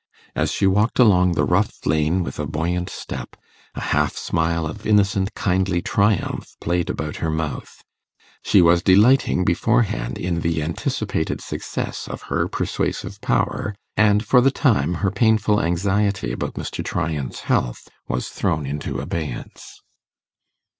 As she walked along the rough lane with a buoyant step, a half smile of innocent, kindly triumph played about her mouth. She was delighting beforehand in the anticipated success of her persuasive power, and for the time her painful anxiety about Mr. Tryan's health was thrown into abeyance.